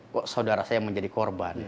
kok saudara saya menjadi korban